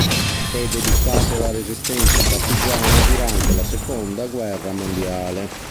È dedicato alla Resistenza partigiana durante la seconda guerra mondiale.